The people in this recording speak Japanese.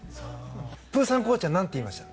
プーさんコーチは何て言いました？